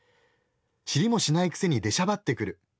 知りもしないくせに出しゃばってくる。